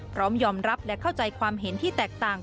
พร้อมยอมรับและเข้าใจความเห็นที่แตกต่าง